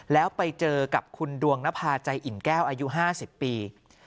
แล้วไปเจอกับคุณดวงนภาใจอิ่มแก้วอายุ๕๐ปี